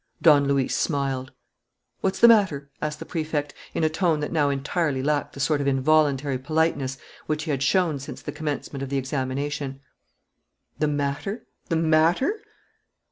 Don Luis smiled. "What's the matter?" asked the Prefect, in a tone that now entirely lacked the sort of involuntary politeness which he had shown since the commencement of the examination. "The matter? The matter?